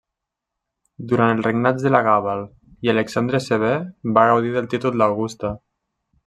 Durant els regnats d'Elagàbal i Alexandre Sever va gaudir del títol d'augusta.